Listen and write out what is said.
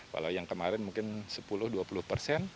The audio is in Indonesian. kalau yang kemarin mungkin sepuluh dua puluh persen